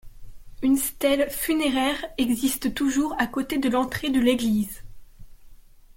Une stèle funéraire existe toujours à côté de l'entrée de l'église.